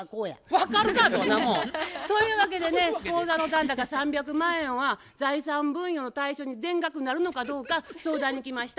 分かるかそんなもん！というわけでね口座の残高３００万円は財産分与の対象に全額なるのかどうか相談に来ました。